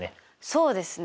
そうですね。